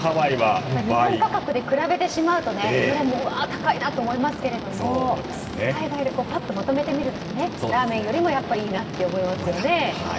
日本価格で比べてしまうとうわ高いなと思いますけど海外でぱっとまとめてみるとラーメンよりもやっぱりいいなって思いますよね。